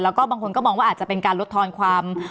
แล้วก็บางคนก็มองว่าอาจจะเป็นการลดทอนความ